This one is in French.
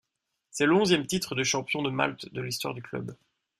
C'est le onzième titre de champion de Malte de l'histoire du club.